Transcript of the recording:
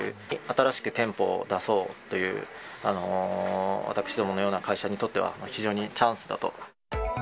新しく店舗を出そうという、私どものような会社にとっては、非常にチャンスだと。